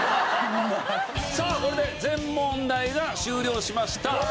さあこれで全問題が終了しました。